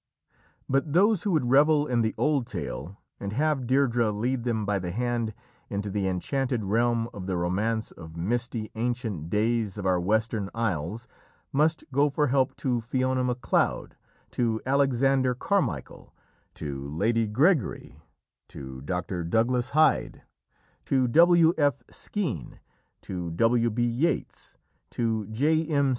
But those who would revel in the old tale and have Deirdrê lead them by the hand into the enchanted realm of the romance of misty, ancient days of our Western Isles must go for help to Fiona Macleod, to Alexander Carmichael, to Lady Gregory, to Dr. Douglas Hyde, to W. F. Skene, to W. B. Yeats, to J. M.